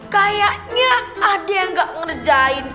kayaknya ada yang gak ngerjain